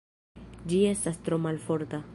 Ĝi estas tro malforta.